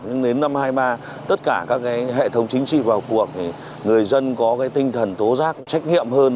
nhưng đến năm hai nghìn hai mươi ba tất cả các hệ thống chính trị vào cuộc người dân có tinh thần tố rác trách nghiệm hơn